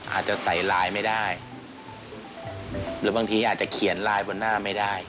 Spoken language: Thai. อาจจะใส่ไลน์ไม่ได้หรือบางทีอาจจะเขียนไลน์บนหน้าไม่ได้